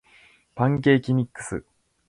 パンケーキミックス